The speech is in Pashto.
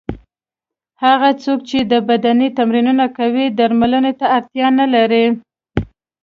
هغه څوک چې بدني تمرینونه کوي درملو ته اړتیا نه لري.